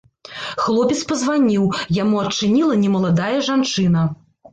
Хлопец пазваніў, яму адчыніла немаладая жанчына.